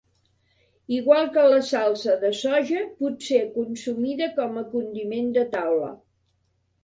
Igual que la salsa de soja, potser consumida com a condiment de taula.